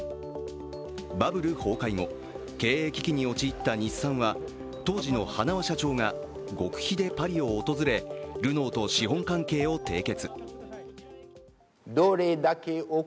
バブル崩壊後、経営危機に陥った日産は、当時の塙社長が極秘でパリを訪れルノーと資本関係を締結。